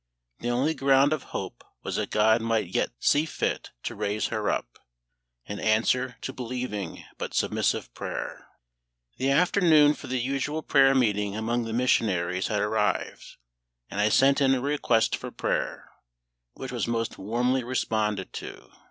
The only ground of hope was that GOD might yet see fit to raise her up, in answer to believing but submissive prayer. The afternoon for the usual prayer meeting among the missionaries had arrived, and I sent in a request for prayer, which was most warmly responded to.